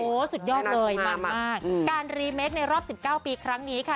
โอ้ยสุดยอดเลยมากมากอืมการรีเมคในรอบสิบเก้าปีครั้งนี้ค่ะ